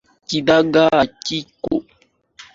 Kidagaa hakiko.